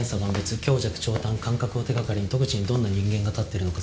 強弱長短間隔を手掛かりに戸口にどんな人間が立ってるのか推測が立つ。